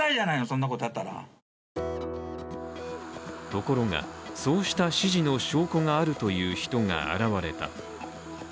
ところが、そうした指示の証拠があるという人が現れた。